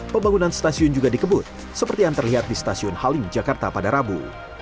pembangunan stasiun juga dikebut seperti yang terlihat di stasiun halim jakarta pada rabu